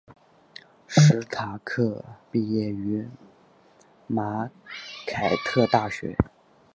史塔克毕业于马凯特大学。